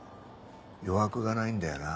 余白がないんだよな。